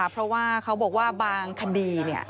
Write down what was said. เพราะว่าเขาบอกว่าบางคดี